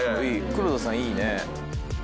黒田さんいいね。